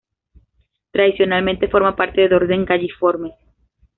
Tradicionalmente forma parte del orden Galliformes.